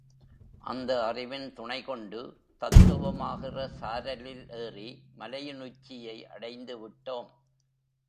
அந்த அறிவின் துணை கொண்டு தத்துவமாகிற சாரலில் ஏறி மலையின் உச்சியை அடைந்து விட்டோம்.